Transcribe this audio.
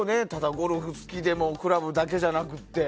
ゴルフ好きでもクラブだけじゃなくて。